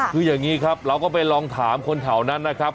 คืออย่างนี้ครับเราก็ไปลองถามคนแถวนั้นนะครับ